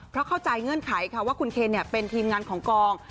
เพราะเข้าใจเงื่อนไขค่ะว่าคุณเคนเป็นทีมงานของกอง